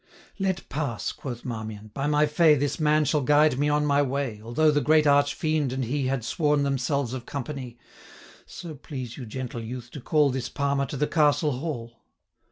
'Let pass,' quoth Marmion; 'by my fay, This man shall guide me on my way, 455 Although the great arch fiend and he Had sworn themselves of company. So please you, gentle youth, to call This Palmer to the Castle hall.'